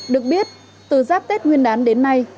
được biết từ giáp tết nguyên đán đến nay